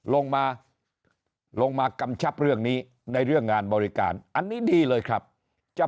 ลงมาลงมากำชับเรื่องนี้ในเรื่องงานบริการอันนี้ดีเลยครับจะ